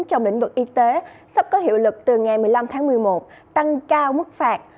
trong lĩnh vực y tế sắp có hiệu lực từ ngày một mươi năm tháng một mươi một tăng cao mức phạt